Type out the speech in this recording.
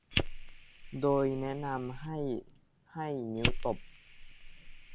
โดยแนะนำให้ให้นิ้วตบ